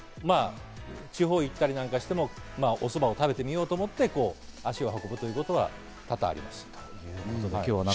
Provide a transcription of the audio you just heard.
地方なんかに行ったりしても、おそばを食べてみようと思って、足を運ぶということは多々あります。